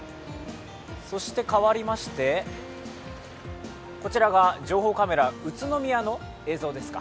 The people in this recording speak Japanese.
変わりまして、こちらが情報カメラ、宇都宮の映像です。